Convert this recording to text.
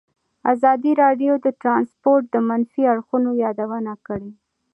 ازادي راډیو د ترانسپورټ د منفي اړخونو یادونه کړې.